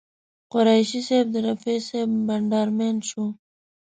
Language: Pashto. قریشي صاحب د رفیع صاحب بانډار مین شو.